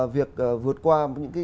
việc vượt qua những cái